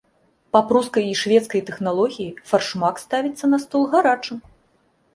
Па прускай і шведскай тэхналогіі фаршмак ставіцца на стол гарачым.